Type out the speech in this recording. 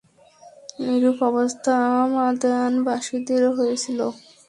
এরূপ অবস্থা মাদয়ানবাসীদেরও হয়েছিল।